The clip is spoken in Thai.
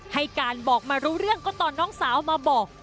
ให้การบอกมารู้เรื่องก็ตอนน้องสาวมาบอก